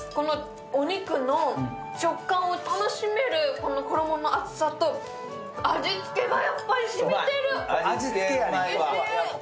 お肉の食感を楽しめる衣の厚さと、味付けがやっぱり染みてる、おいしい！